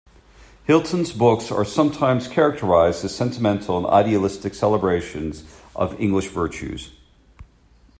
Hilton's books are sometimes characterised as sentimental and idealistic celebrations of English virtues.